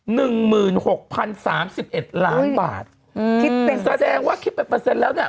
หนึ่งหมื่นหกพันสามสิบเอ็ดล้านบาทอืมคิดเป็นแสดงว่าคิดเป็นเปอร์เซ็นต์แล้วเนี้ย